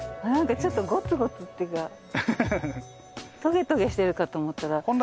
ちょっとゴツゴツっていうかトゲトゲしてるかと思ったら。